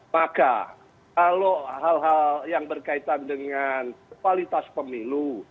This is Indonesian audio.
maka kalau hal hal yang berkaitan dengan kualitas pemilu